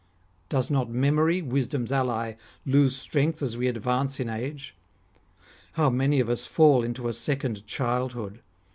Does not memory, wisdom's ally, lose strength as we advance in age ? How many of us fall into a second childhood